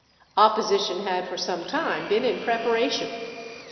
Opposition had for some time been in preparation.